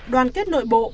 đoàn kết nội bộ